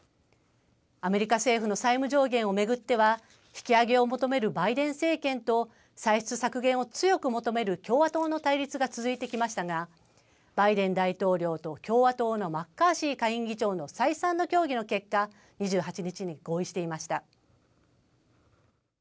アメリカ政府の債務上限を巡っては引き上げを求めるバイデン政権と歳出削減を強く求める共和党の対立が続いてきましたがバイデン大統領と共和党のマッカーシー下院議長の再三の協議の結果、２８日に合意していました。